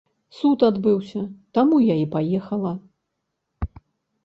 Суд адбыўся, таму я і паехала.